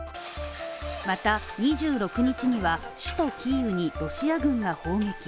また２６日には首都キーウにロシア軍が攻撃。